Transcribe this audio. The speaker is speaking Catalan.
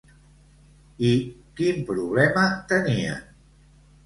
I quin problema tenien?